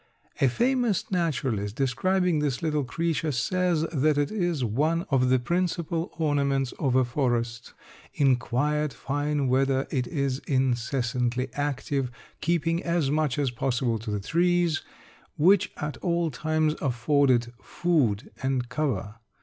A famous naturalist, describing this little creature, says that it is one of the principal ornaments of a forest. In quiet, fine weather it is incessantly active, keeping as much as possible to the trees, which at all times afford it food and cover.